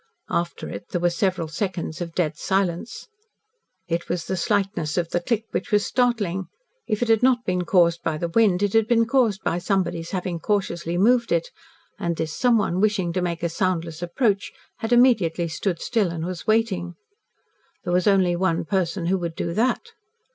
After it, there were several seconds of dead silence. It was the slightness of the click which was startling if it had not been caused by the wind, it had been caused by someone's having cautiously moved it and this someone wishing to make a soundless approach had immediately stood still and was waiting. There was only one person who would do that.